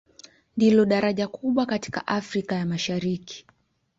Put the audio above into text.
Ndilo daraja kubwa katika Afrika ya Mashariki.